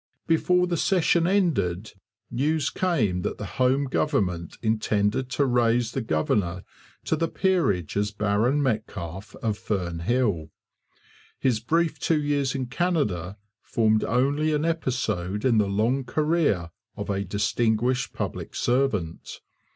Before the session ended news came that the home government intended to raise the governor to the peerage as Baron Metcalfe of Fern Hill. His brief two years in Canada formed only an episode in the long career of a distinguished public servant.